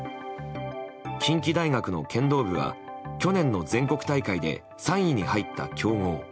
近畿大学の剣道部は去年の全国大会で３位に入った強豪。